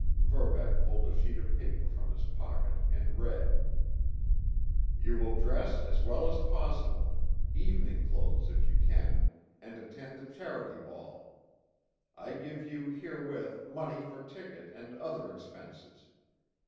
Verbeck pulled a sheet of paper from his pocket and read: "You will dress as well as possible—evening clothes if you can—and attend the Charity Ball. I give you herewith money for ticket and other expenses.